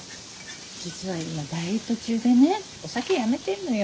実は今ダイエット中でねお酒やめてんのよ。